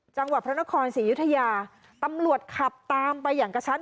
จังหวัดพระนครศรียุธยาตำรวจขับตามไปอย่างกระชั้น